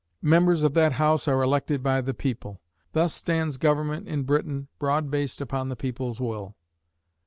Members of that house are elected by the people. Thus stands government in Britain "broad based upon the people's will."